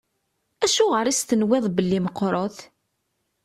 Acuɣer i as-tenwiḍ belli meqqṛet?